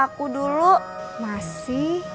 aku dulu masih